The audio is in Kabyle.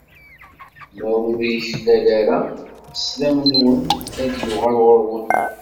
Ma ur yuklal ara, slam-nwen ad d-yuɣal ɣur-wen.